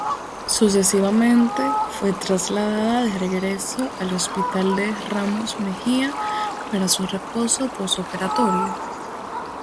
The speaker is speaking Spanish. Sucesivamente, fue trasladada de regreso al Hospital de Ramos Mejía para su reposo postoperatorio.